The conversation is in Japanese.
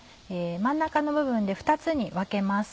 真ん中の部分で２つに分けます。